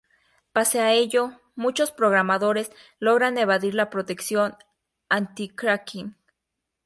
Pese a ello, muchos programadores logran evadir la protección "anti-cracking".